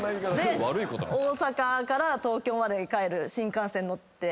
大阪から東京まで帰る新幹線乗って。